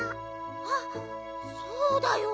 あっそうだよ。